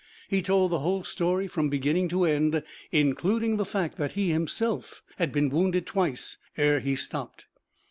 He told the whole story from beginning to end, including the fact that he himself had been wounded twice, ere he stopped.